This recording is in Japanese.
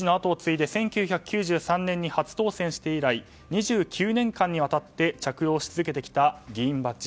１９９３年に初当選して以来２９年間にわたって着用してきた議員バッジ。